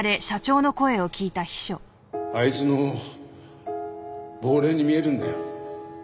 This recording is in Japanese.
あいつの亡霊に見えるんだよ。